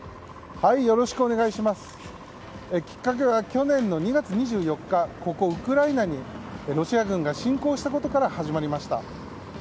きっかけは去年２月２４日ここウクライナにロシア軍が侵攻したことから始まりました。